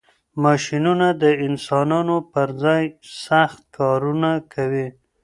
ماشینونه د انسانانو پر ځای سخت کارونه کوي.